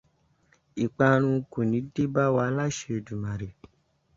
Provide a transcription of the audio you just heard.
Ìparun kò ní débá wa láṣẹ Èdùmàrè.